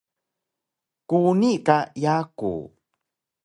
Kuni ka yaku